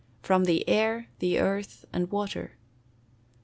_ From the air, the earth, and water.